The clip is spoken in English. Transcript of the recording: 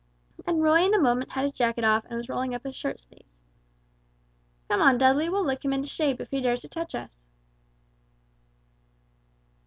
And Roy in a moment had his jacket off, and was rolling up his shirt sleeves. "Come on, Dudley, we'll lick him into shape, if he dares to touch us!"